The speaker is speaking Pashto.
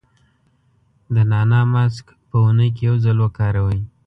د نعناع ماسک په اونۍ کې یو ځل وکاروئ.